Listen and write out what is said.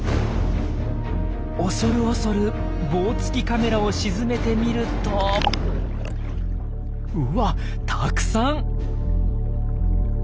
恐る恐る棒付きカメラを沈めてみるとうわったくさん！